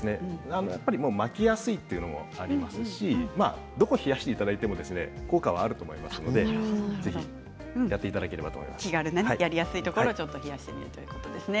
巻きやすいというのもありますしどこを冷やしていただいても効果があると思いますのでぜひやりやすいところを冷やしていくということですね。